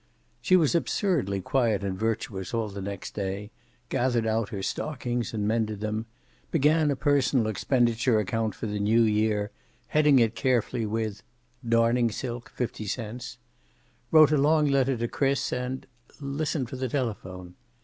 She was absurdly quiet and virtuous all the next day, gathered out her stockings and mended them; began a personal expenditure account for the New year, heading it carefully with "darning silk, 50 cents"; wrote a long letter to Chris, and listened for the telephone.